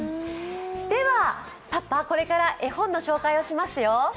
では、パパ、これから絵本の紹介をしますよ。